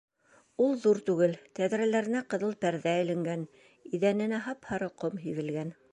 Ул ҙур түгел, тәҙрәләренә ҡыҙыл пәрҙә эленгән, иҙәненә һап-һары ҡом һибелгән.